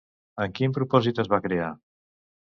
Amb quin propòsit es va crear?